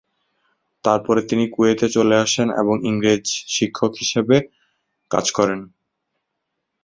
তারপরে তিনি কুয়েতে চলে আসেন এবং ইংরেজ শিক্ষক হিসাবে কাজ করেন।